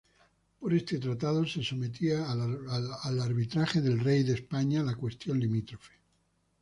Por este tratado se sometía al arbitraje del Rey de España la cuestión limítrofe.